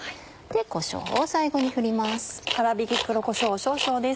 こしょうを最後に振ります。